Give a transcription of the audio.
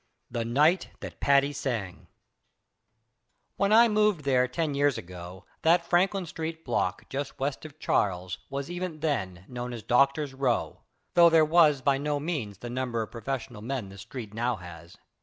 The Night That Patti Sang When I moved there 10 years ago that Franklin street block just west of Charles was even then known as "Doctors' Row," though there was by no means the number of professional men the street now has.